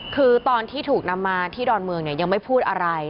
คือตอนที่ถูกนำมาที่ดอนเมืองเนี่ยยังไม่พูดอะไร